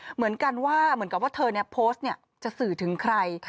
เหมือนกันว่าเธอโพสต์นี่จะสื่อถึงใคร